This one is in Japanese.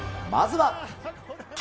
まずは。